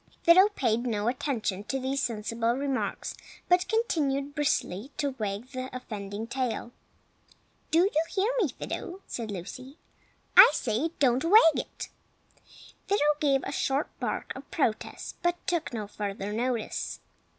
Fido paid no attention to these sensible remarks, but continued briskly to wag the offending tail. "Do you hear me Fido?" said Lucy. "I say, don't wag it!" Fido gave a short bark of protest, but took no further notice.